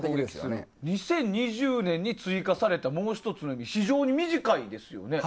２０２２年に追加されたのはもう１つのは非常に短いですよね。